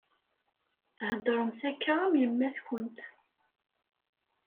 Theddṛemt akka am yemma-tkent.